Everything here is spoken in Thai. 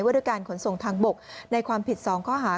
ด้วยการขนส่งทางบกในความผิด๒ข้อหา